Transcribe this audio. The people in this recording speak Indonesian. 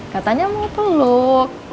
katanya mau peluk